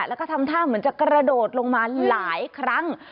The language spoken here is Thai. แล้วก็ทำท่าเหมือนจะกระโดดลงมาหลายครั้ง